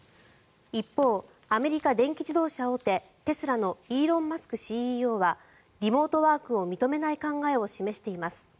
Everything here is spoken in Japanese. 一方、アメリカ電気自動車大手テスラのイーロン・マスクＣＥＯはリモートワークを認めない考えを示しています。